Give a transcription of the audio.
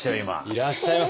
いらっしゃいませ。